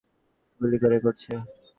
গুলি কে করছে?